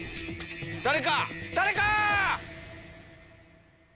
誰か誰か！